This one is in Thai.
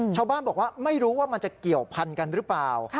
ชาวบ้านบอกว่าไม่รู้ว่ามันจะเกี่ยวพันกันหรือเปล่า